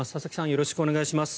よろしくお願いします。